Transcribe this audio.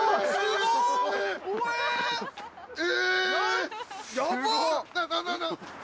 え！